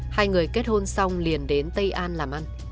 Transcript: hai người kết hôn xong liền đến tây an làm ăn